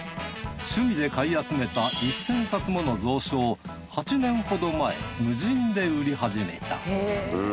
趣味で買い集めた１，０００冊もの蔵書を８年ほど前無人で売り始めた。